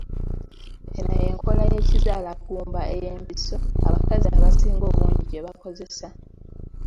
Eno y'enkola y’ekizaalaggumba ey’empiso abakazi abasinga obungi gye bakozesa.